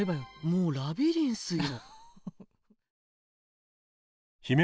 もうラビリンスよ。